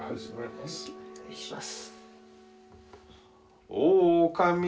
お願いします。